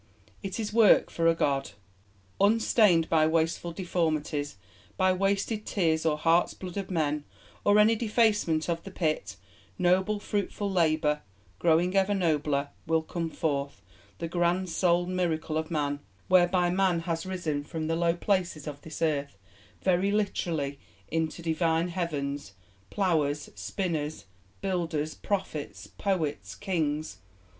It is work for a God. ... Unstained by wasteful deformities, by wasted tears or heart's blood of men, or any defacement of the Pit, noble, fruitful Labour, growing ever nobler, will come forth the grand sole Miracle of Man, whereby Man has risen from the low places of this Earth, very literally, into divine Heavens. Ploughers, Spinners, Builders, Prophets, Poets, Kings